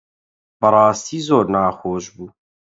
بەڕاستی زۆر ناخۆش بوو.